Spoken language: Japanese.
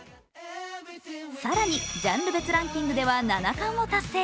更に、ジャンル別ランキングでは７冠を達成。